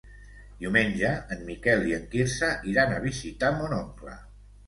Diumenge en Miquel i en Quirze iran a visitar mon oncle.